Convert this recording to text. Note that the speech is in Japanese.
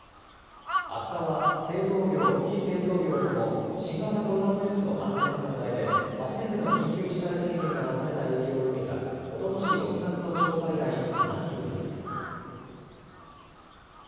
悪化は製造業・非製造業とも新型コロナウイルスの感染拡大で初めての緊急事態宣言が出された影響を受けた、おととし６月の調査以来、７期ぶりです。